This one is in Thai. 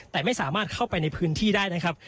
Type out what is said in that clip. แต่ไม่สามารถเข้าไปในพื้นที่ได้นะครับ